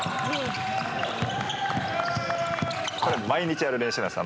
毎日やる練習なんです。